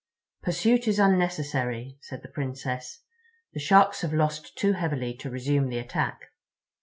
"Pursuit is unnecessary," said the Princess. "The Sharks have lost too heavily to resume the attack."